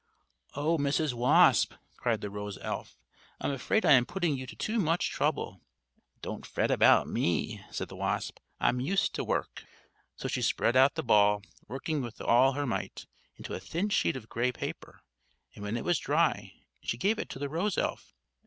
"Oh, Mrs. Wasp!" cried the rose elf, "I'm afraid I am putting you to too much trouble." "Don't fret about me," said the wasp; "I'm used to work." So she spread out the ball, working with all her might, into a thin sheet of gray paper; and when it was dry, she gave it to the rose elf.